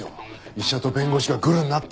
医者と弁護士がグルになって。